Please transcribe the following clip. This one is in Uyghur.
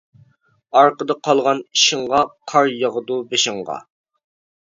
ئارقىدا قالغان ئىشىڭغا، قار ياغىدۇ بېشىڭغا.